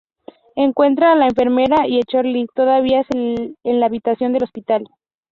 Encuentran a la enfermera y a Charlie todavía en la habitación del hospital.